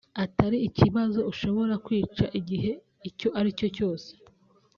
atari ikibazo ushobora kwica igihe icyo ari cyo cyose